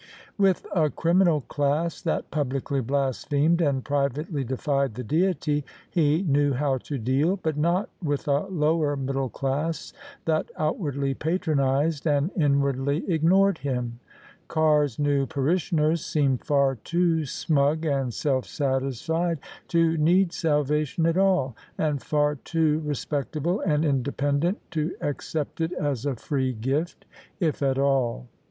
With a criminal class that publicly blasphemed and privately defied the Deity, he knew how to deal: but not with a lower middle class that outwardly patronised and inwardly ignored Him, Carr's new parishioners seemed far too smug and self satisfied to need salvation at all: and far too respectable and independent to accept it as a free gift, THE SUBJECTION OF ISABEL CARNABY if at all.